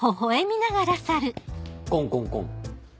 コンコンコン。